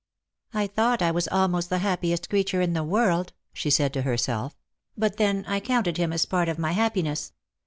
" I thought I was almost the happiest creature in the world," she said to herself; "but then I counted him as part of my happiness.